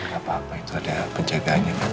gak apa apa itu ada penjagaannya kan